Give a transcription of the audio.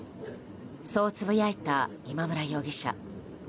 そうつぶやいた今村容疑者。